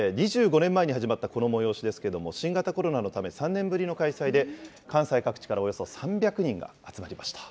２５年前に始まったこの催しですけれども、新型コロナのため、３年ぶりの開催で、関西各地からおよそ３００人が集まりました。